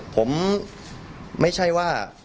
ผมไม่ใช่ว่า